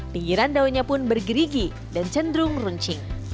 pinggiran daunnya pun bergerigi dan cenderung runcing